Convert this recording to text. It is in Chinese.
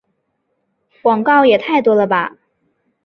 广告也太多了吧